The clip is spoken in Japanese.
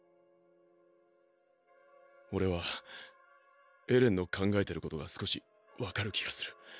俺はエレンの考えてることが少しわかる気がする。